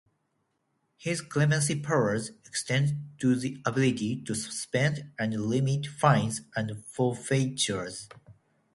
His clemency powers extend to the ability to suspend and remit fines and forfeitures.